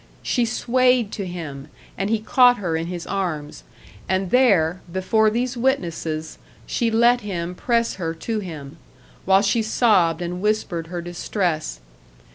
She swayed to him, and he caught her in his arms and there, before these witnesses, she let him press her to him, while she sobbed and whispered her distress.